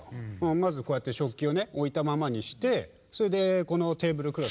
まずこうやってしょっきをねおいたままにしてそれでこのテーブルクロス。